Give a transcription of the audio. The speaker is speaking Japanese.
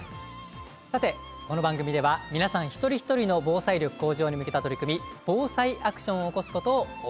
さてこの番組では皆さん一人一人の防災力向上に向けた取り組み防災アクションを起こすことを応援しています。